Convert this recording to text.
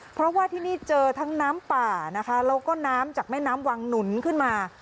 เพราะว่าที่นี่เจอทั้งน้ำป่านะคะแล้วก็น้ำจากแม่น้ำวังหนุนขึ้นมา